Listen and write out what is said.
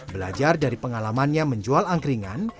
belajar dari pengalamannya menjual angkringan